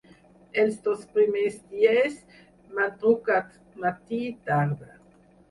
Els dos primers dies m’han trucat matí i tarda.